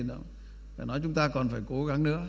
phải nói chúng ta còn phải cố gắng nữa